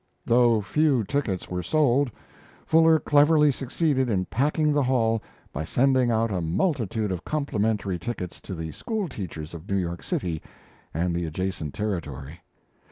Though few tickets were sold, Fuller cleverly succeeded in packing the hall by sending out a multitude of complimentary tickets to the school teachers of New York City and the adjacent territory.